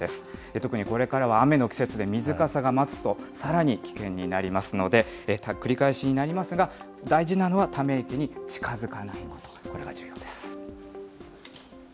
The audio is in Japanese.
特にこれからは雨の季節で水かさが増すと、さらに危険になりますので、繰り返しになりますが、大事なのはため池に近づかないと、これが重要です。